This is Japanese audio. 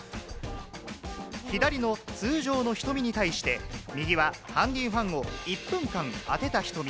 左の通常の瞳に対して、右はハンディファンを１分間当てた瞳。